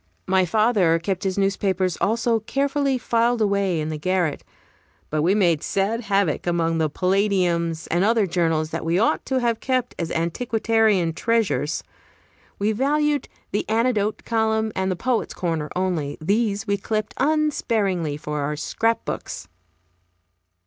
My father kept his newspapers also carefully filed away in the garret, but we made sad havoc among the "Palladiums" and other journals that we ought to have kept as antiquarian treasures. We valued the anecdote column and the poet's corner only; these we clipped unsparingly for our scrap books.